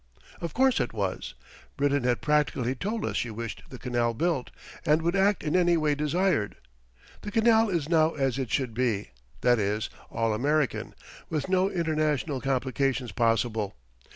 Of course it was. Britain had practically told us she wished the canal built and would act in any way desired. The canal is now as it should be that is, all American, with no international complications possible.